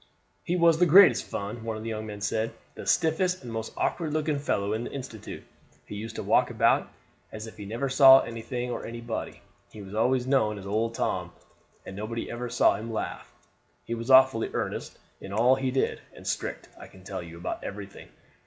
"He was the greatest fun," one of the young men said; "the stiffest and most awkward looking fellow in the institute. He used to walk about as if he never saw anything or anybody. He was always known as Old Tom, and nobody ever saw him laugh. He was awfully earnest in all he did, and strict, I can tell you, about everything.